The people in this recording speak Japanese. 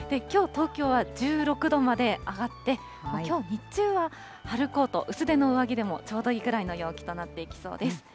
きょう、東京は１６度まで上がって、きょう日中は春コート、薄手の上着でもちょうどいいくらいの陽気となっていきそうです。